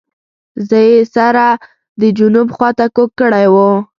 زه یې سر د جنوب خواته کوږ کړی وو.